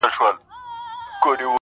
• ژوند در ډالۍ دى تاته.